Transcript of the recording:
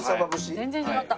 全然違った。